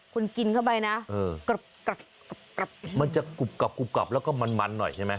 คุณกินเข้าไปนะมันจะกรุบกรับแล้วก็มันหน่อยใช่ไหม